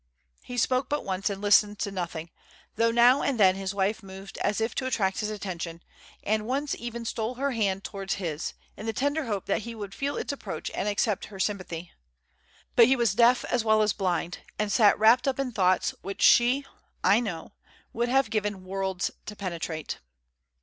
He spoke but once and listened to nothing, though now and then his wife moved as if to attract his attention, and once even stole her hand towards his, in the tender hope that he would feel its approach and accept her sympathy. But he was deaf as well as blind; and sat wrapped up in thoughts which she, I know, would have given worlds to penetrate.